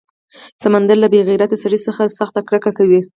سمندر له بې غیرته سړي څخه سخته کرکه کوي.